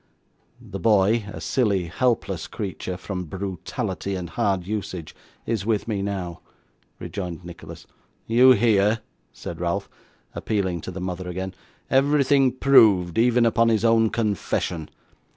'The boy, a silly, helpless creature, from brutality and hard usage, is with me now,' rejoined Nicholas. 'You hear?' said Ralph, appealing to the mother again, 'everything proved, even upon his own confession.